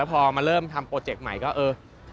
พอมาเริ่มทำโปรเจกต์ใหม่ก็เออ